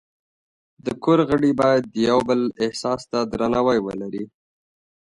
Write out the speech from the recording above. د کور غړي باید د یو بل احساس ته درناوی ولري.